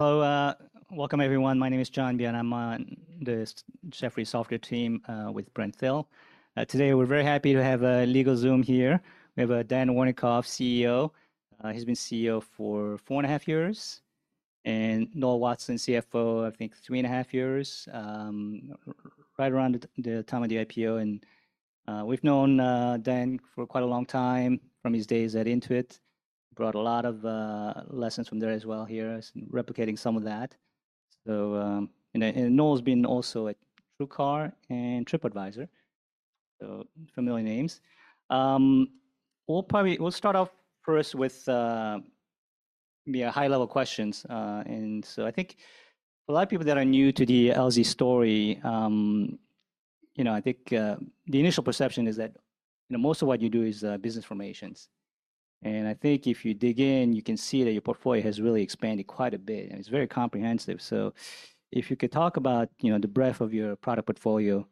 Hello, welcome everyone. My name is John Byun. I'm on the Jefferies Software team, with Brent Thill. Today, we're very happy to have LegalZoom here. We have Dan Wernikoff, CEO. He's been CEO for 4.5 years, and Noel Watson, CFO, I think 3.5 years, right around the time of the IPO. We've known Dan for quite a long time, from his days at Intuit. Brought a lot of lessons from there as well here as replicating some of that. Noel's been also at TrueCar and Tripadvisor, so familiar names. We'll start off first with a high-level questions. And so I think for a lot of people that are new to the LZ story, you know, I think the initial perception is that, you know, most of what you do is business formations. And I think if you dig in, you can see that your portfolio has really expanded quite a bit, and it's very comprehensive. So if you could talk about, you know, the breadth of your product portfolio,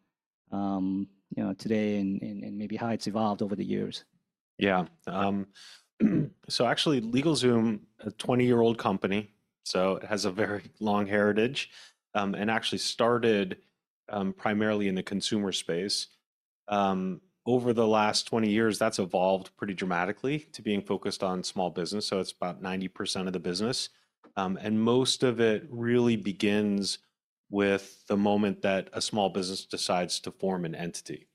you know, today, and maybe how it's evolved over the years. Yeah. So actually, LegalZoom, a 20-year-old company, so it has a very long heritage, and actually started primarily in the consumer space. Over the last 20 years, that's evolved pretty dramatically to being focused on small business, so it's about 90% of the business. And most of it really begins with the moment that a small business decides to form an entity.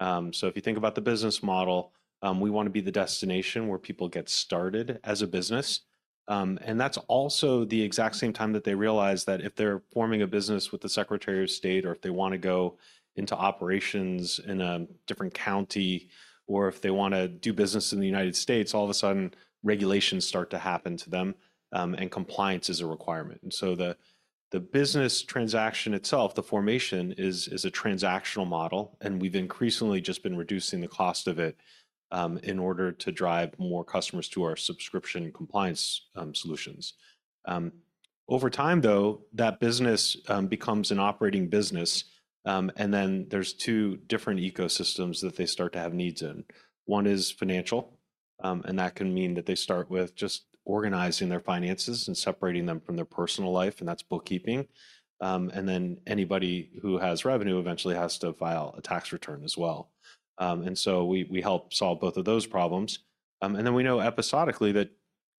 So if you think about the business model, we wanna be the destination where people get started as a business. And that's also the exact same time that they realize that if they're forming a business with the Secretary of State, or if they wanna go into operations in a different county, or if they wanna do business in the United States, all of a sudden, regulations start to happen to them, and compliance is a requirement. The business transaction itself, the formation, is a transactional model, and we've increasingly just been reducing the cost of it in order to drive more customers to our subscription and compliance solutions. Over time, though, that business becomes an operating business, and then there's two different ecosystems that they start to have needs in. One is financial, and that can mean that they start with just organizing their finances and separating them from their personal life, and that's bookkeeping. And then anybody who has revenue eventually has to file a tax return as well. And so we help solve both of those problems. And then we know episodically that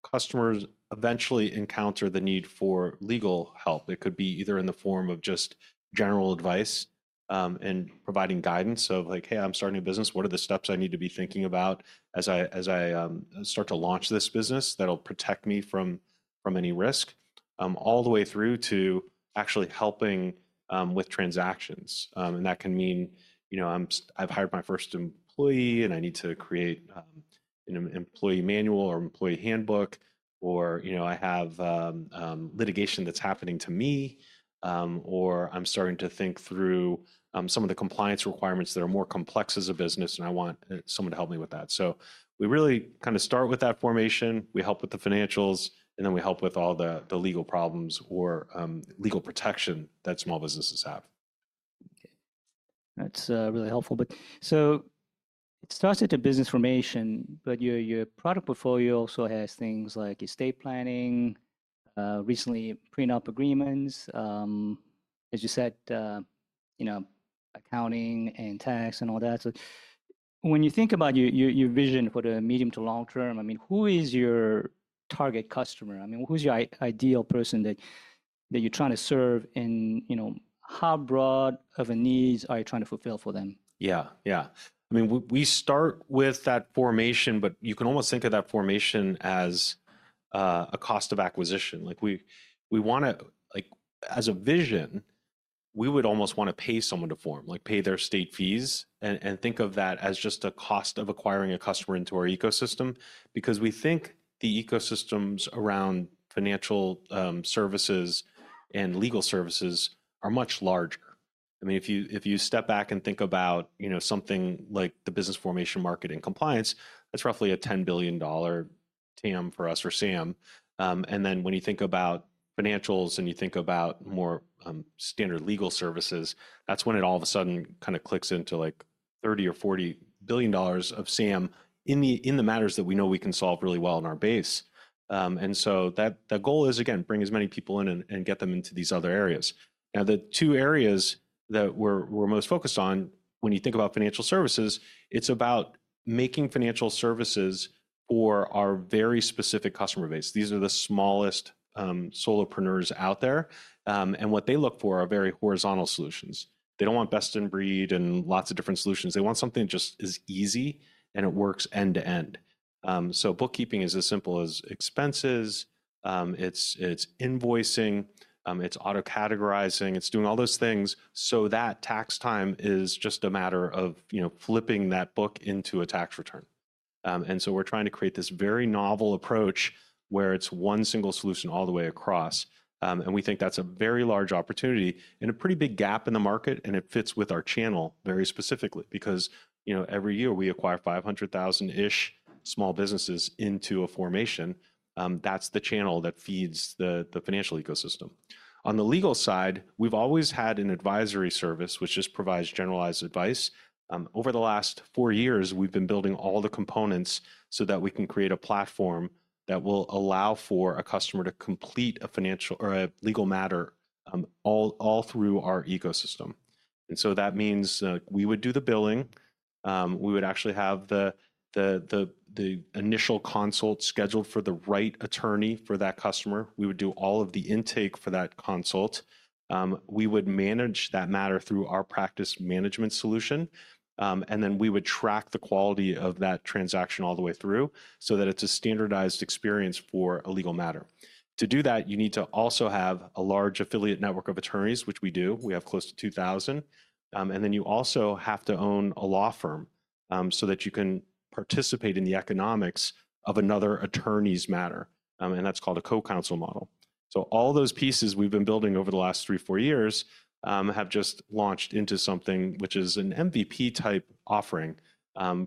customers eventually encounter the need for legal help. It could be either in the form of just general advice, and providing guidance of like, "Hey, I'm starting a business. What are the steps I need to be thinking about as I start to launch this business that'll protect me from any risk?" all the way through to actually helping with transactions. And that can mean, you know, "I've hired my first employee, and I need to create an employee manual or employee handbook," or, you know, "I have litigation that's happening to me," or, "I'm starting to think through some of the compliance requirements that are more complex as a business, and I want someone to help me with that." So we really kinda start with that formation, we help with the financials, and then we help with all the legal problems or legal protection that small businesses have. Okay. That's really helpful. But so it starts at the business formation, but your product portfolio also has things like estate planning, recently, prenup agreements, as you said, you know, accounting and tax, and all that. So when you think about your vision for the medium to long term, I mean, who is your target customer? I mean, who's your ideal person that you're trying to serve, and you know, how broad of a needs are you trying to fulfill for them? Yeah, yeah. I mean, we, we start with that formation, but you can almost think of that formation as, a cost of acquisition. Like, we, we wanna. Like, as a vision, we would almost wanna pay someone to form, like, pay their state fees, and, and think of that as just a cost of acquiring a customer into our ecosystem. Because we think the ecosystems around financial services and legal services are much larger. I mean, if you, if you step back and think about, you know, something like the business formation market and compliance, that's roughly a $10 billion TAM for us, or SAM. And then when you think about financials, and you think about more standard legal services, that's when it all of a sudden kinda clicks into, like, $30 billion-$40 billion of SAM in the matters that we know we can solve really well in our base. And so the goal is, again, bring as many people in and get them into these other areas. Now, the two areas that we're most focused on, when you think about financial services, it's about making financial services for our very specific customer base. These are the smallest solopreneurs out there, and what they look for are very horizontal solutions. They don't want best-in-breed and lots of different solutions. They want something that just is easy, and it works end to end. So bookkeeping is as simple as expenses, it's invoicing, it's auto-categorizing, it's doing all those things so that tax time is just a matter of, you know, flipping that book into a tax return. And so we're trying to create this very novel approach, where it's one single solution all the way across. And we think that's a very large opportunity and a pretty big gap in the market, and it fits with our channel very specifically. Because, you know, every year, we acquire 500,000-ish small businesses into a formation. That's the channel that feeds the financial ecosystem. On the legal side, we've always had an advisory service, which just provides generalized advice. Over the last four years, we've been building all the components so that we can create a platform that will allow for a customer to complete a financial or a legal matter, all through our ecosystem. And so that means, we would do the billing, we would actually have the initial consult scheduled for the right attorney for that customer. We would do all of the intake for that consult. We would manage that matter through our practice management solution, and then we would track the quality of that transaction all the way through, so that it's a standardized experience for a legal matter. To do that, you need to also have a large affiliate network of attorneys, which we do. We have close to 2,000. And then you also have to own a law firm, so that you can participate in the economics of another attorney's matter, and that's called a co-counsel model. So all those pieces we've been building over the last 3-4 years have just launched into something which is an MVP-type offering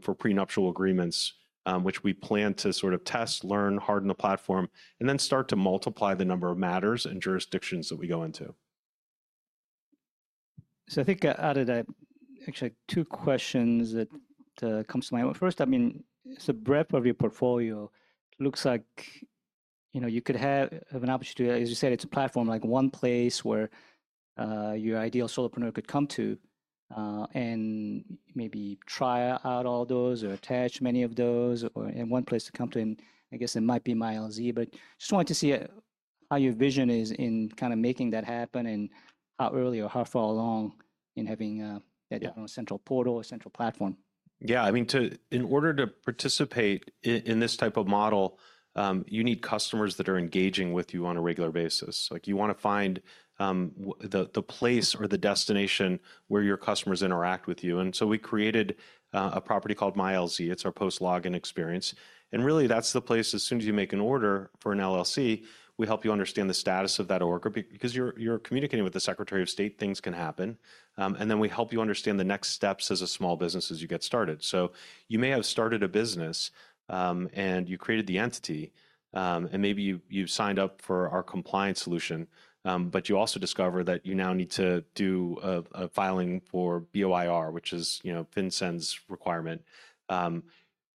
for prenuptial agreements, which we plan to sort of test, learn, harden the platform, and then start to multiply the number of matters and jurisdictions that we go into. So I think, out of that, actually, two questions that comes to mind. Well, first, I mean, the breadth of your portfolio looks like, you know, you could have, have an opportunity, as you said, it's a platform, like one place where, your ideal solopreneur could come to, and maybe try out all those, or attach many of those, or, and one place to come to, and I guess it might be MyLZ. But just wanted to see, how your vision is in kind of making that happen and how early or how far along in having, Yeah That central portal or central platform. Yeah, I mean, to, in order to participate in this type of model, you need customers that are engaging with you on a regular basis. Like, you wanna find the place or the destination where your customers interact with you. And so we created a property called MyLZ. It's our post-login experience, and really, that's the place, as soon as you make an order for an LLC, we help you understand the status of that order. Because you're communicating with the Secretary of State, things can happen. And then we help you understand the next steps as a small business as you get started. So you may have started a business, and you created the entity, and maybe you've signed up for our compliance solution, but you also discover that you now need to do a filing for BOIR, which is, you know, FinCEN's requirement.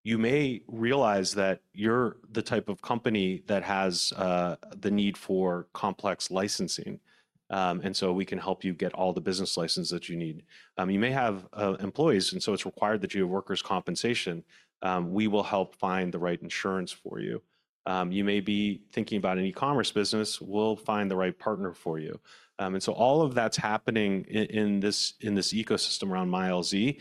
You may realize that you're the type of company that has the need for complex licensing, and so we can help you get all the business licenses that you need. You may have employees, and so it's required that you have workers' compensation. We will help find the right insurance for you. You may be thinking about an e-commerce business. We'll find the right partner for you. And so all of that's happening in this, in this ecosystem around MyLZ,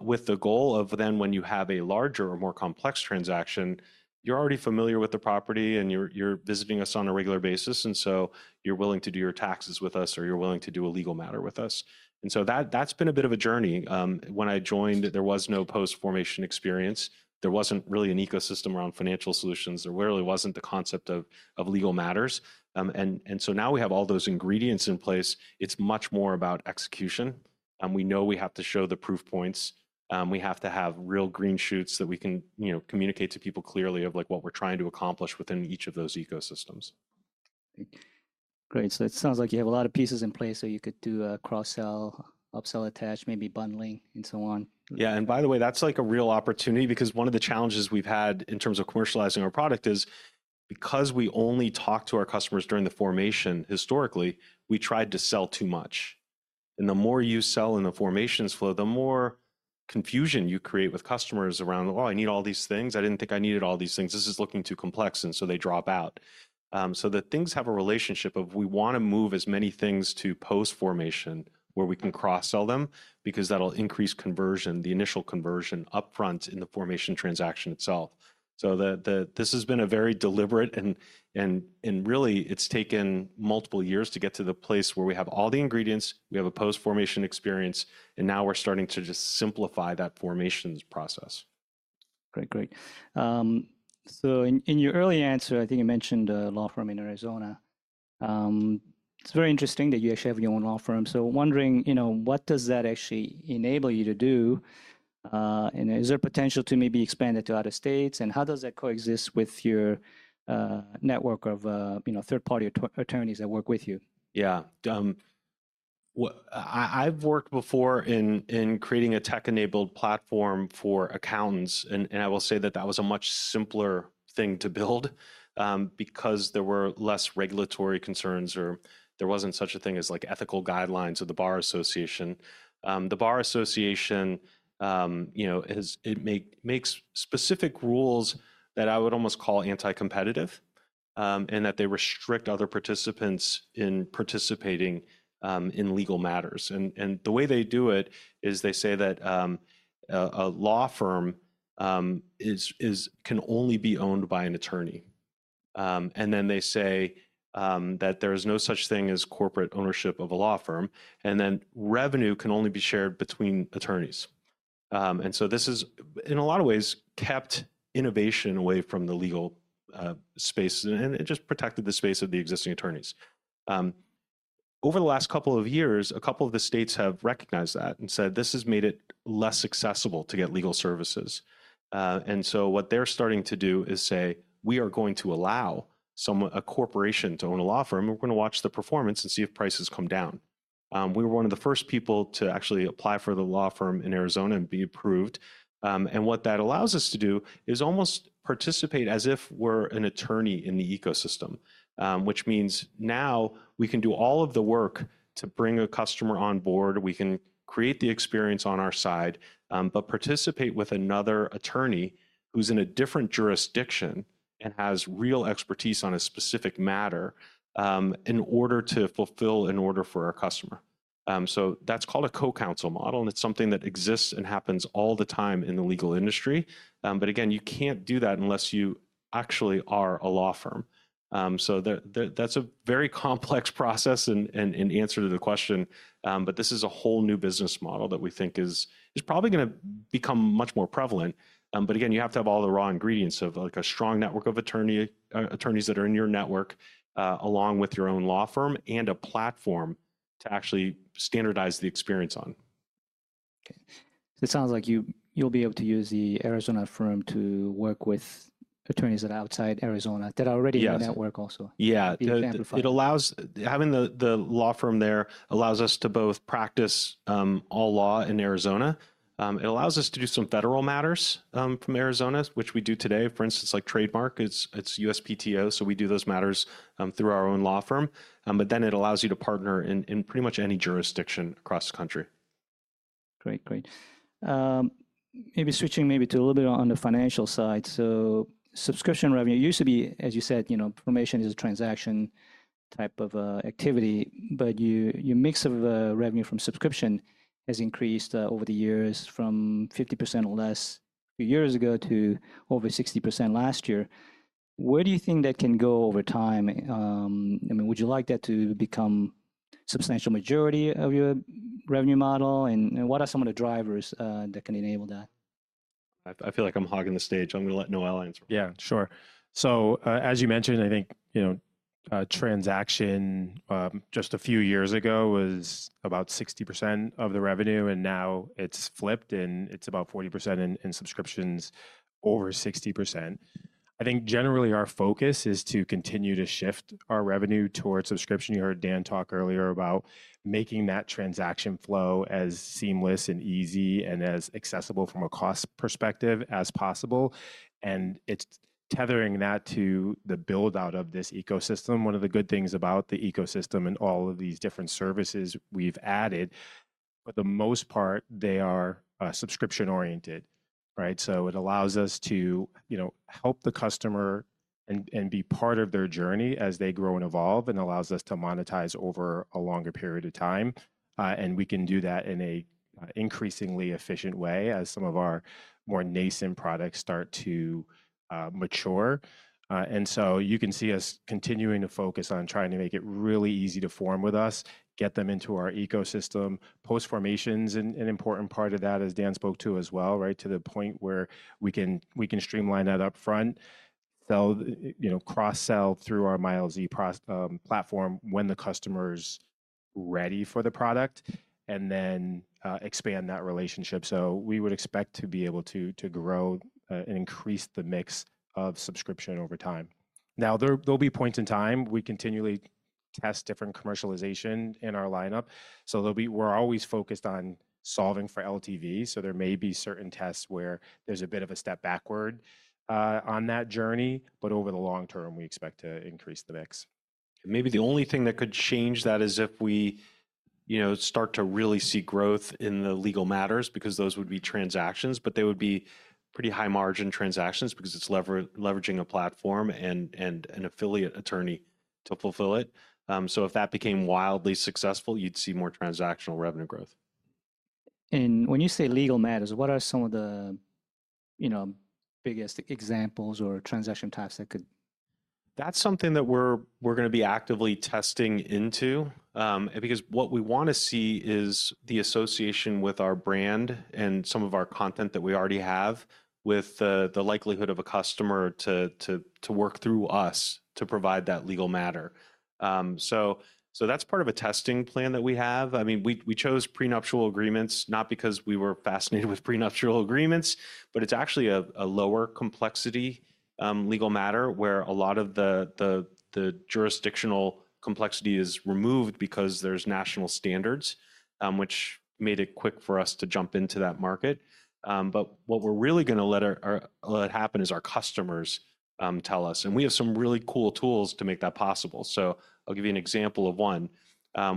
with the goal of then when you have a larger or more complex transaction, you're already familiar with the property and you're visiting us on a regular basis, and so you're willing to do your taxes with us, or you're willing to do a legal matter with us. And so that, that's been a bit of a journey. When I joined, there was no post-formation experience. There wasn't really an ecosystem around financial solutions. There really wasn't the concept of, of legal matters. And so now we have all those ingredients in place, it's much more about execution, and we know we have to show the proof points. We have to have real green shoots that we can, you know, communicate to people clearly of, like, what we're trying to accomplish within each of those ecosystems. Great. So it sounds like you have a lot of pieces in place, so you could do a cross-sell, up-sell attach, maybe bundling, and so on. Yeah, and by the way, that's, like, a real opportunity because one of the challenges we've had in terms of commercializing our product is, because we only talk to our customers during the formation, historically, we tried to sell too much. And the more you sell in the formations flow, the more confusion you create with customers around, "Oh, I need all these things? I didn't think I needed all these things. This is looking too complex," and so they drop out. So the things have a relationship of we wanna move as many things to post-formation, where we can cross-sell them, because that'll increase conversion, the initial conversion upfront in the formation transaction itself. So the, the, This has been a very deliberate, and really, it's taken multiple years to get to the place where we have all the ingredients, we have a post-formation experience, and now we're starting to just simplify that formations process. Great. Great. So in your early answer, I think you mentioned a law firm in Arizona. It's very interesting that you actually have your own law firm. So we're wondering, you know, what does that actually enable you to do, and is there potential to maybe expand it to other states? And how does that coexist with your network of, you know, third-party attorneys that work with you? Yeah. I've worked before in creating a tech-enabled platform for accountants, and I will say that that was a much simpler thing to build, because there were less regulatory concerns, or there wasn't such a thing as, like, ethical guidelines of the Bar Association. The Bar Association, you know, it makes specific rules that I would almost call anti-competitive, in that they restrict other participants in participating, in legal matters. And the way they do it is they say that a law firm can only be owned by an attorney. And then they say that there is no such thing as corporate ownership of a law firm, and then revenue can only be shared between attorneys. And so this has, in a lot of ways, kept innovation away from the legal space, and, and it just protected the space of the existing attorneys. Over the last couple of years, a couple of the states have recognized that and said, "This has made it less accessible to get legal services." And so what they're starting to do is say, "We are going to allow a corporation to own a law firm, and we're gonna watch the performance and see if prices come down." We were one of the first people to actually apply for the law firm in Arizona and be approved. And what that allows us to do is almost participate as if we're an attorney in the ecosystem. Which means now we can do all of the work to bring a customer on board, we can create the experience on our side, but participate with another attorney who's in a different jurisdiction and has real expertise on a specific matter, in order to fulfill an order for our customer. So that's called a co-counsel model, and it's something that exists and happens all the time in the legal industry. But again, you can't do that unless you actually are a law firm. So that's a very complex process and, in answer to the question, but this is a whole new business model that we think is probably gonna become much more prevalent. But again, you have to have all the raw ingredients of, like, a strong network of attorney, attorneys that are in your network, along with your own law firm, and a platform to actually standardize the experience on. Okay. It sounds like you, you'll be able to use the Arizona firm to work with attorneys that are outside Arizona- Yeah that are already in your network also. Yeah. It will amplify. It allows having the law firm there allows us to both practice all law in Arizona. It allows us to do some federal matters from Arizona, which we do today, for instance, like trademark. It's USPTO, so we do those matters through our own law firm. But then it allows you to partner in pretty much any jurisdiction across the country. Great. Great. Maybe switching to a little bit on the financial side. So subscription revenue used to be, as you said, you know, information is a transaction type of activity, but you, your mix of revenue from subscription has increased over the years from 50% or less a few years ago to over 60% last year. Where do you think that can go over time? I mean, would you like that to become substantial majority of your revenue model? And what are some of the drivers that can enable that? I feel like I'm hogging the stage. I'm gonna let Noel answer. Yeah, sure. So, as you mentioned, I think, you know, transaction just a few years ago, was about 60% of the revenue, and now it's flipped, and it's about 40%, and subscriptions over 60%. I think generally our focus is to continue to shift our revenue towards subscription. You heard Dan talk earlier about making that transaction flow as seamless and easy and as accessible from a cost perspective as possible, and it's tethering that to the build-out of this ecosystem. One of the good things about the ecosystem and all of these different services we've added, for the most part, they are subscription-oriented, right? So it allows us to, you know, help the customer and be part of their journey as they grow and evolve, and allows us to monetize over a longer period of time. And we can do that in a increasingly efficient way as some of our more nascent products start to mature. And so you can see us continuing to focus on trying to make it really easy to form with us, get them into our ecosystem. Post formation's an important part of that, as Dan spoke to as well, right? To the point where we can streamline that upfront, sell, you know, cross-sell through our LegalZoom platform when the customer's ready for the product, and then expand that relationship. So we would expect to be able to grow and increase the mix of subscription over time. Now, there'll be points in time. We continually test different commercialization in our lineup, so there'll be. We're always focused on solving for LTV, so there may be certain tests where there's a bit of a step backward on that journey, but over the long term, we expect to increase the mix. Maybe the only thing that could change that is if we, you know, start to really see growth in the legal matters, because those would be transactions, but they would be pretty high-margin transactions because it's leveraging a platform and an affiliate attorney to fulfill it. So if that became wildly successful, you'd see more transactional revenue growth. When you say legal matters, what are some of the, you know, biggest examples or transaction types that could? That's something that we're gonna be actively testing into. Because what we wanna see is the association with our brand and some of our content that we already have, with the likelihood of a customer to work through us to provide that legal matter. So that's part of a testing plan that we have. I mean, we chose prenuptial agreements not because we were fascinated with prenuptial agreements, but it's actually a lower complexity legal matter, where a lot of the jurisdictional complexity is removed because there's national standards, which made it quick for us to jump into that market. But what we're really gonna let happen is our customers tell us. And we have some really cool tools to make that possible. So I'll give you an example of one.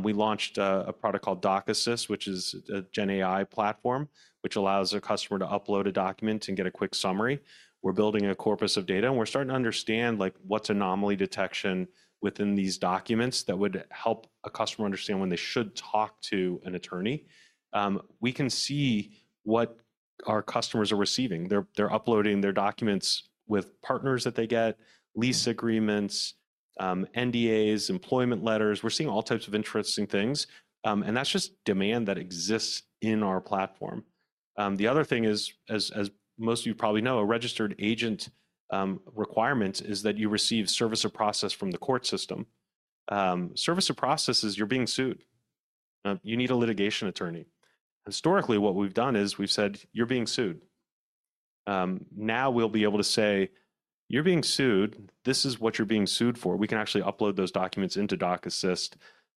We launched a product called DocAssist, which is a Gen AI platform, which allows a customer to upload a document and get a quick summary. We're building a corpus of data, and we're starting to understand, like, what's anomaly detection within these documents that would help a customer understand when they should talk to an attorney. We can see what our customers are receiving. They're uploading their documents with partners that they get, lease agreements, NDAs, employment letters. We're seeing all types of interesting things, and that's just demand that exists in our platform. The other thing is, as most of you probably know, a registered agent requirement is that you receive service of process from the court system. Service of process is you're being sued. You need a litigation attorney. Historically, what we've done is we've said, "You're being sued." Now we'll be able to say, "You're being sued. This is what you're being sued for." We can actually upload those documents into DocAssist,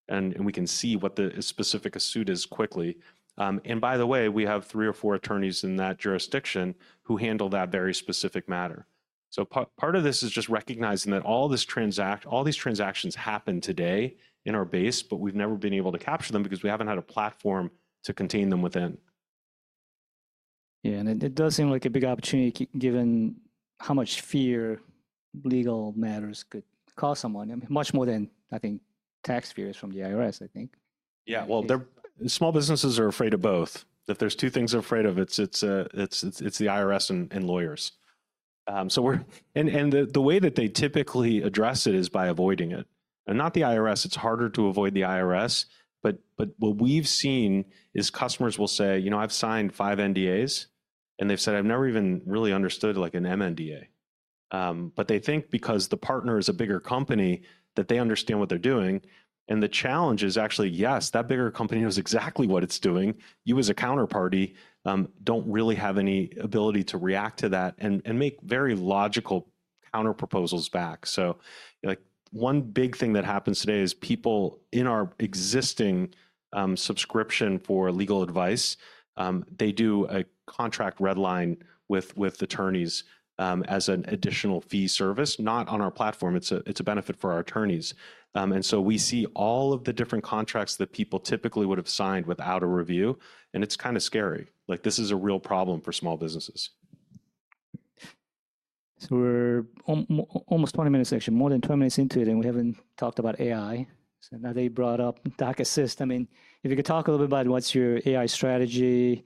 and we can see what the specific suit is quickly. And by the way, we have three or four attorneys in that jurisdiction who handle that very specific matter. So part of this is just recognizing that all these transactions happen today in our base, but we've never been able to capture them because we haven't had a platform to contain them within. Yeah, and it does seem like a big opportunity given how much fear legal matters could cost someone. I mean, much more than, I think, tax fears from the IRS, I think. Yeah. Well, they're small businesses are afraid of both. If there's two things they're afraid of, it's the IRS and lawyers. So the way that they typically address it is by avoiding it. And not the IRS, it's harder to avoid the IRS, but what we've seen is customers will say: "You know, I've signed 5 NDAs," and they've said, "I've never even really understood, like, an MNDA." But they think because the partner is a bigger company, that they understand what they're doing. And the challenge is actually, yes, that bigger company knows exactly what it's doing. You, as a counterparty, don't really have any ability to react to that and make very logical counter proposals back. So, like, one big thing that happens today is people in our existing subscription for legal advice they do a contract redline with, with attorneys, as an additional fee service, not on our platform. It's a benefit for our attorneys. So we see all of the different contracts that people typically would have signed without a review, and it's kinda scary. Like, this is a real problem for small businesses. So we're almost 20 minutes, actually, more than 20 minutes into it, and we haven't talked about AI. So now that you brought up DocAssist, I mean, if you could talk a little bit about what's your AI strategy?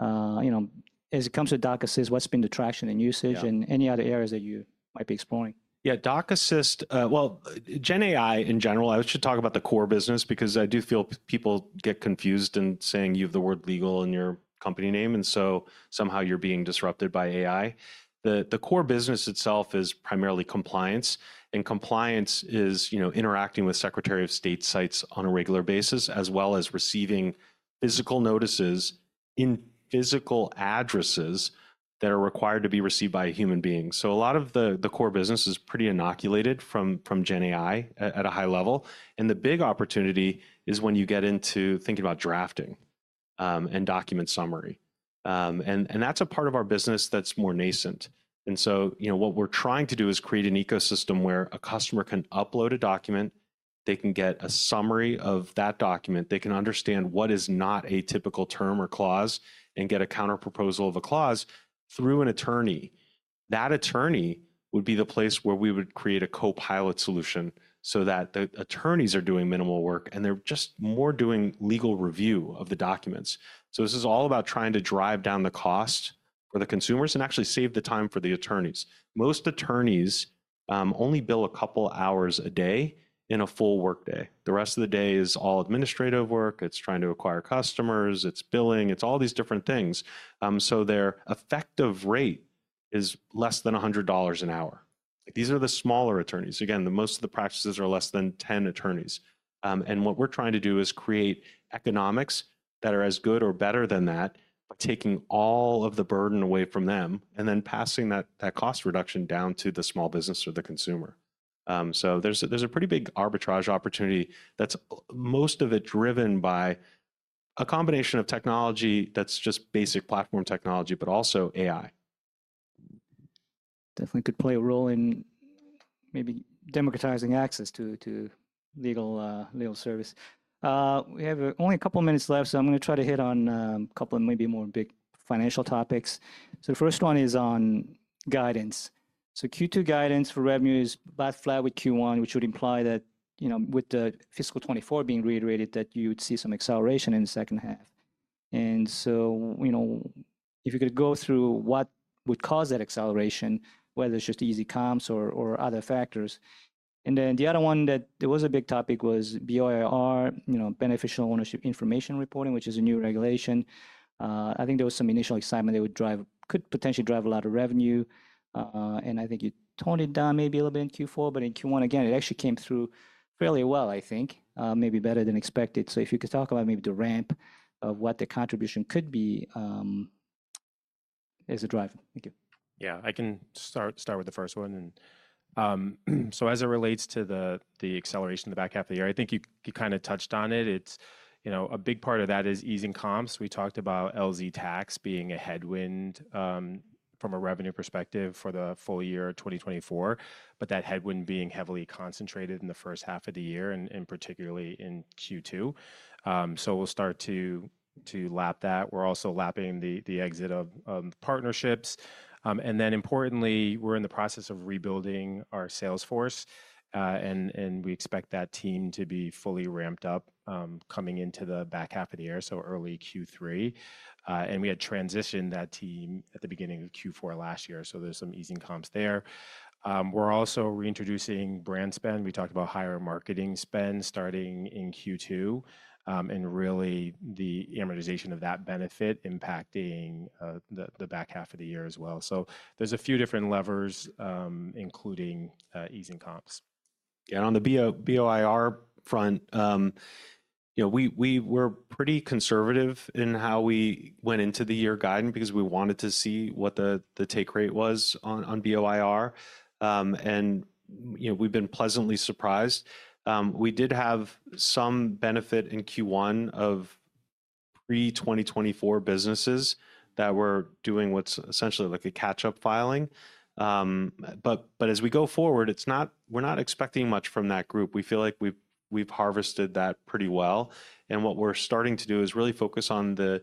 You know, as it comes to DocAssist, what's been the traction and usage and any other areas that you might be exploring? Yeah, DocAssist, Well, Gen AI, in general, I should talk about the core business because I do feel people get confused in saying you have the word "legal" in your company name, and so somehow you're being disrupted by AI. The core business itself is primarily compliance, and compliance is, you know, interacting with Secretary of State sites on a regular basis, as well as receiving physical notices in physical addresses that are required to be received by a human being. So a lot of the core business is pretty inoculated from Gen AI at a high level. And the big opportunity is when you get into thinking about drafting and document summary. And that's a part of our business that's more nascent. You know, what we're trying to do is create an ecosystem where a customer can upload a document, they can get a summary of that document, they can understand what is not a typical term or clause, and get a counterproposal of a clause through an attorney. That attorney would be the place where we would create a co-pilot solution, so that the attorneys are doing minimal work, and they're just more doing legal review of the documents. This is all about trying to drive down the cost for the consumers and actually save the time for the attorneys. Most attorneys only bill a couple hours a day in a full work day. The rest of the day is all administrative work, it's trying to acquire customers, it's billing, it's all these different things. So their effective rate is less than $100 an hour. These are the smaller attorneys. Again, most of the practices are less than 10 attorneys. And what we're trying to do is create economics that are as good or better than that, by taking all of the burden away from them, and then passing that, that cost reduction down to the small business or the consumer. So there's a pretty big arbitrage opportunity that's most of it driven by a combination of technology that's just basic platform technology, but also AI. Definitely could play a role in maybe democratizing access to legal service. We have only a couple of minutes left, so I'm gonna try to hit on a couple of maybe more big financial topics. So the first one is on guidance. So Q2 guidance for revenue is about flat with Q1, which would imply that, you know, with the fiscal 2024 being reiterated, that you'd see some acceleration in the second half. And so, you know, if you could go through what would cause that acceleration, whether it's just easy comps or other factors. And then the other one that there was a big topic was BOIR, you know, Beneficial Ownership Information Reporting, which is a new regulation. I think there was some initial excitement that could potentially drive a lot of revenue, and I think you toned it down maybe a little bit in Q4, but in Q1, again, it actually came through fairly well, I think, maybe better than expected. So if you could talk about maybe the ramp of what the contribution could be, as a driver. Thank you. Yeah, I can start with the first one, and so as it relates to the acceleration in the back half of the year, I think you kinda touched on it. It's, you know, a big part of that is easing comps. We talked about LZ Tax being a headwind, from a revenue perspective for the full year 2024, but that headwind being heavily concentrated in the first half of the year and particularly in Q2. So we'll start to lap that. We're also lapping the exit of partnerships. And then importantly, we're in the process of rebuilding our sales force, and we expect that team to be fully ramped up, coming into the back half of the year, so early Q3. We had transitioned that team at the beginning of Q4 last year, so there's some easing comps there. We're also reintroducing brand spend. We talked about higher marketing spend starting in Q2, and really the amortization of that benefit impacting the back half of the year as well. So there's a few different levers, including easing comps. Yeah, on the BOIR front, you know, we were pretty conservative in how we went into the year guiding because we wanted to see what the take rate was on BOIR. And, you know, we've been pleasantly surprised. We did have some benefit in Q1 of pre-2024 businesses that were doing what's essentially like a catch-up filing. But as we go forward, it's not- we're not expecting much from that group. We feel like we've harvested that pretty well, and what we're starting to do is really focus on the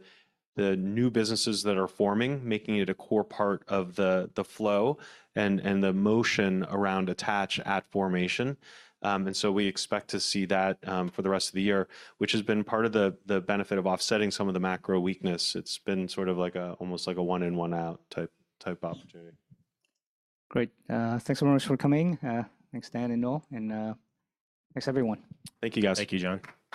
new businesses that are forming, making it a core part of the flow and the motion around attach at formation. And so we expect to see that for the rest of the year, which has been part of the benefit of offsetting some of the macro weakness. It's been sort of like a, almost like a one-in, one-out type of opportunity. Great. Thanks so much for coming. Thanks, Dan and Noel, and, thanks, everyone. Thank you, guys. Thank you, John.